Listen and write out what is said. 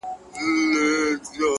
چاته يادي سي كيسې په خـامـوشۍ كــي،